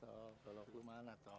hah toh tolong lu mana toh